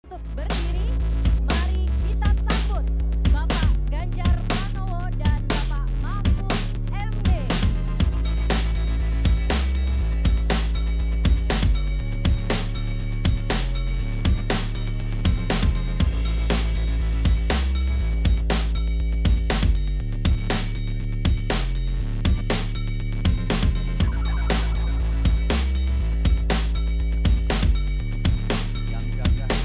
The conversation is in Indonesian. untuk berdiri mari kita sambut bapak ganjar panowo dan bapak mahfuz md